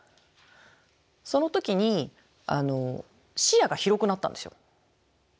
その時に視野が広くなったんですよ。